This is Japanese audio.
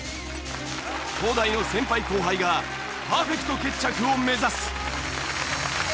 東大の先輩後輩がパーフェクト決着を目指す。